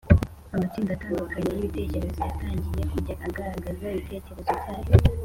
amatsinda atandukanye y’ibitekerezo yatangiye kujya agaragaza ibitekerezo byayo